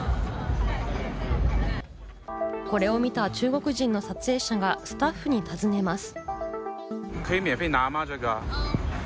これを見た中国人の撮影者がスタッフに尋ねます。